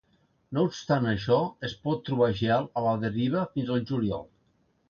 No obstant això, es pot trobar gel a la deriva fins al juliol.